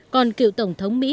còn cựu tổng thống mỹ